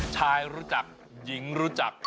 รู้จักหญิงรู้จัก